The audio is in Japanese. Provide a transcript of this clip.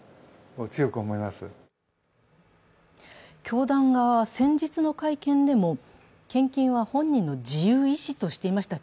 教団側は先日の会見でも献金は本人の自由意思としていました、